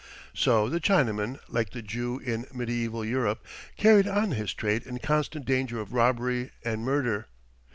So the Chinaman, like the Jew in medieval Europe, carried on his trade in constant danger of robbery and murder.